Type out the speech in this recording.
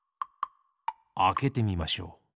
あけてみましょう。